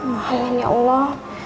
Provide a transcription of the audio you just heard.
alhamdulillah ya allah